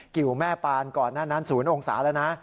กิวแม่ปานก่อนหน้านั้น๐องศาแล้วนะ